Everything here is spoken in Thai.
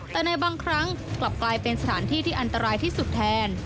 แต่ในบางครั้งกลับกลายเป็นสถานที่ที่อันตรายที่สุดแทน